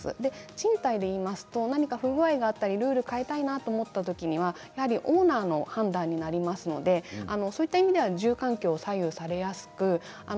賃貸で言いますと不具合があったりルールを変えたいなと思った場合オーナーの判断になりますのでそういった意味では住環境が左右されやすいんです。